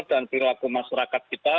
dan perilaku masyarakat kita